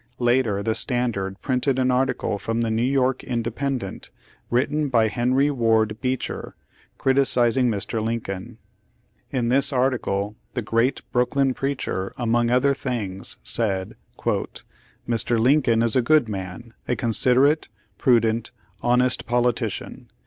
Later the Standard printed an article from the New York Indepen dent written by Henry Ward Beecher criticising Mr. Lincoln. In this article the great Brooklyn preacher among other things said : "Mr. Lincoln is a good man; a considerate, prudent, honest politician.